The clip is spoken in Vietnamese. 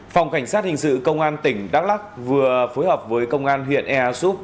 phòng cảnh sát hình sự công an tỉnh đắk lắc vừa phối hợp với công an huyện ea súp